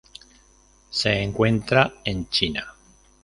Se encuentra en China.